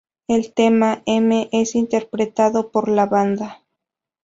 El tema "M" es interpretado por la banda.